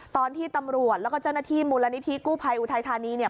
ตอนที่ตำรวจแล้วก็เจ้าหน้าที่มูลนิธิกู้ภัยอุทัยธานีเนี่ย